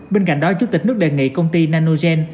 bên cạnh đó chủ tịch nước đề nghị công ty nanogen